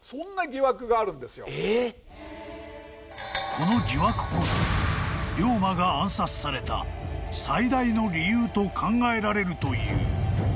［この疑惑こそ龍馬が暗殺された最大の理由と考えられるという］